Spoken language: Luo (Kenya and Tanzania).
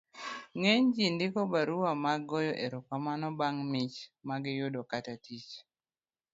ng'eny ji ndiko barupe mag goyo erokamano bang' mich ma giyudo kata tich